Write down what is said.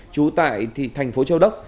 trú tại thành phố châu đốc